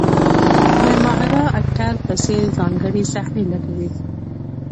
د ماهر اکټر په څېر ځانګړې صحنې لټوي.